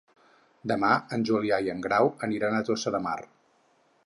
Demà en Julià i en Grau aniran a Tossa de Mar.